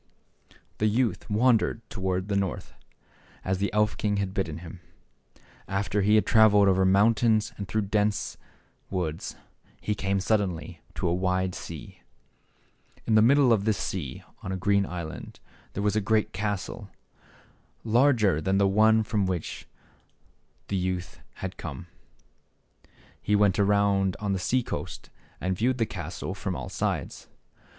The youth wandered toward the North, as the elf king had bidden him. After he had traveled over mountains and through dense Ik, woods, he came suddenly to a wide sea. >|j | In the midst of this sea, on a green island, ^ there was a great castle, larger pi than the one from which the Open Window ^ youth had come. He went around on the sea coast and viewed the %3. castle from all sides.